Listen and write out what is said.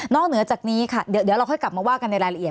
เหนือจากนี้ค่ะเดี๋ยวเราค่อยกลับมาว่ากันในรายละเอียด